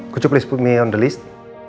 kucu tolong taruh aku di list